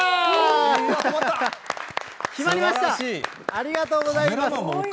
ありがとうございます。